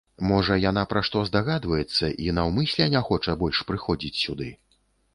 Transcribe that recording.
Можа, яна пра што здагадваецца і наўмысля не хоча больш прыходзіць сюды?